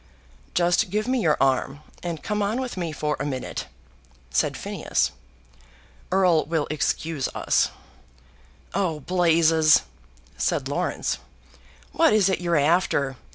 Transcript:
"Just give me your arm, and come on with me for a minute," said Phineas. "Erle will excuse us." "Oh, blazes!" said Laurence, "what is it you're after?